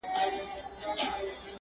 قاتلان او جاهلان یې سرداران دي!